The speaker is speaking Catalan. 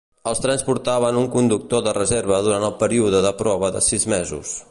Els trens portaven un conductor de reserva durant el període de prova de sis mesos.